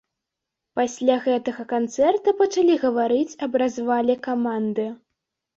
Пасля гэтага канцэрта пачалі гаварыць аб развале каманды.